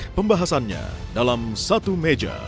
pembahasannya dalam satu meja